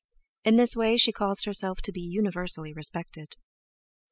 In this way she caused herself to be universally respected.